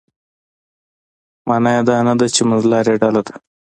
معنا یې دا نه ده چې منځلاره ډله ده.